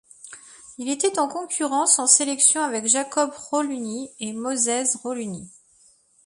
Il était en concurrence en sélection avec Jacob Rauluni et Mosese Rauluni.